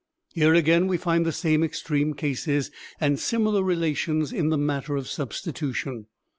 Here again we find the same extreme cases and similar relations in the matter of substitution.